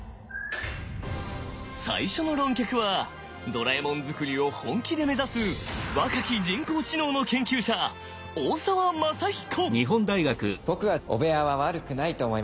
最初の論客はドラえもん作りを本気で目指す若き人工知能の研究者大澤正彦！